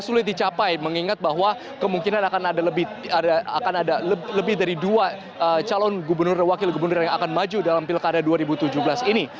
sulit dicapai mengingat bahwa kemungkinan akan ada lebih dari dua calon gubernur dan wakil gubernur yang akan maju dalam pilkada dua ribu tujuh belas ini